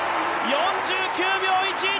４９秒１１。